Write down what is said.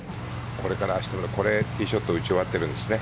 これはティーショット打ち終わっているんですね。